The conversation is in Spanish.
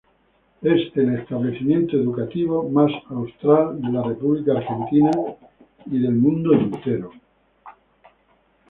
Es el establecimiento educativo más austral de la República Argentina y del mundo entero.